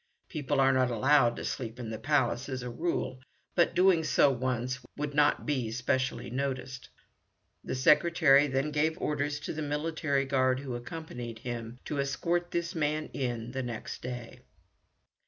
People are not allowed to sleep in the Palace as a rule, but doing so once would not be specially noticed." The secretary then gave orders to the military guard who accompanied him to escort this man in the next day.